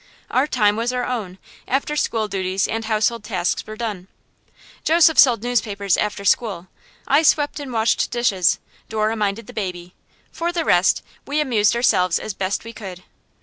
Our time was our own, after school duties and household tasks were done. Joseph sold newspapers after school; I swept and washed dishes; Dora minded the baby. For the rest, we amused ourselves as best we could.